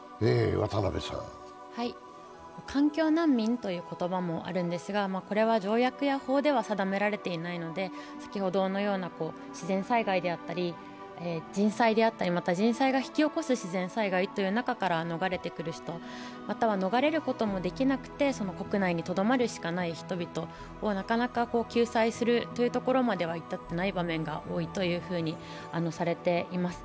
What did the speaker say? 環境難民という言葉もあるんですが、これは条約や法では定められていないので自然災害であったり、人災であったり、また人災が引き起こす自然災害から逃れてくる人、または逃れることもできなくて国内にとどまるしかない人々をなかなか救済するというところまでは至ってない場面が多いとされています。